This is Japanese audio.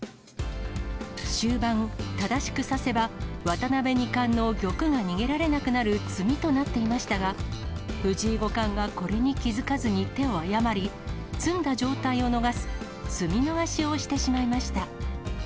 終盤、正しく指せば、渡辺二冠の玉が逃げられなくなる詰みとなっていましたが、藤井五冠がこれに気付かずに手を誤り、詰んだ状態を逃す、詰み逃しをしてしまいました。